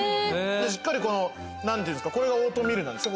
しっかりこの何ていうんですかこれがオートミールなんですか？